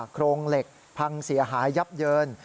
โครงเหล็กพังเสียหายยับเยิน